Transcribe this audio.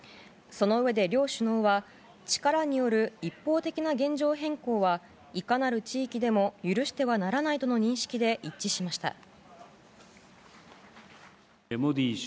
そのうえで両首脳は力による一方的な現状変更はいかなる地域でも許してはならないとの認識で一致しました。